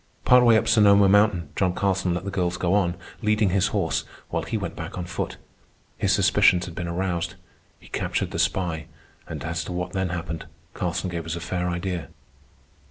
Part way up Sonoma Mountain, John Carlson let the girls go on, leading his horse, while he went back on foot. His suspicions had been aroused. He captured the spy, and as to what then happened, Carlson gave us a fair idea.